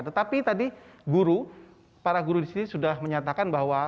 tetapi tadi guru para guru di sini sudah menyatakan bahwa